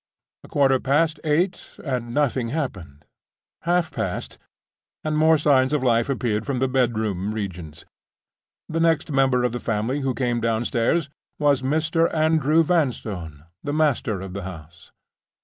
A quarter past eight, and nothing happened. Half past—and more signs of life appeared from the bedroom regions. The next member of the family who came downstairs was Mr. Andrew Vanstone, the master of the house.